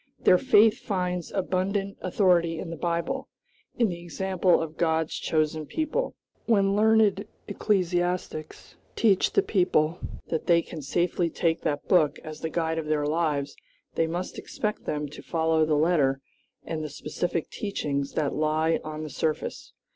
Their faith finds abundant authority in the Bible, in the example of God's chosen people. When learned ecclesiastics teach the people that they can safely take that book as the guide of their lives, they must expect them to follow the letter and the specific teachings that lie on the surface.